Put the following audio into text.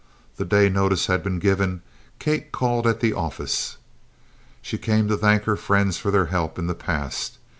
The day notice had been given Kate called at the office. She came to thank her friends for their help in the past.